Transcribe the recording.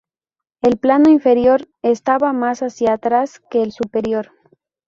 El plano inferior estaba más hacia atrás que el superior.